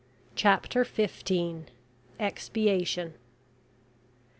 CHAPTER FIFTEEN. EXPIATION.